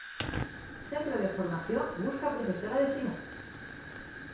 Centre de formació busca professora de xinès.